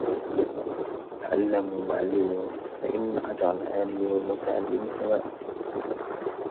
تَعَلَّمُوا وَعَلِّمُوا فَإِنَّ أَجْرَ الْعَالِمِ وَالْمُتَعَلِّمِ سَوَاءٌ